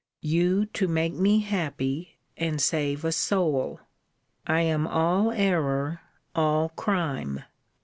You to make me happy, and save a soul I am all error, all crime.